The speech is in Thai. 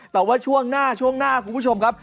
แต่ว่าช่วงหน้าช่วงหน้าคุณผู้ชมครับ